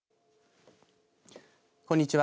こんにちは。